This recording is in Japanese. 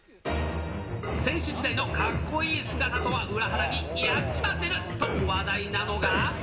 選手時代のかっこいい姿とは裏腹に、やっちまってると話題なのが。